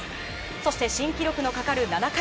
そして新記録のかかる７回。